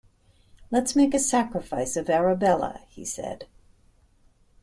“Let’s make a sacrifice of Arabella,” he said.